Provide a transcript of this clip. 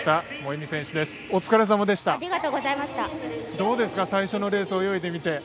どうですか最初のレース、泳いでみて。